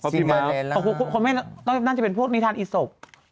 พี่มัลค์น่าจะเป็นพวกนี้ทานอีสก